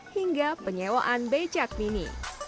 hingga penyewaan becak mini